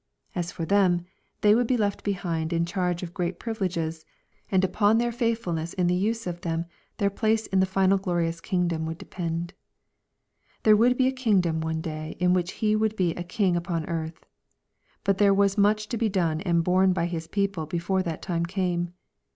As for them, they would be left behind in charge of great privileges, and upon their faithfulness in the use of them their place in the final glorious kingdom would depend. There would be a kingdom one day in which He would be a King upon earth. But there was much to be done and borne by His people before that time came.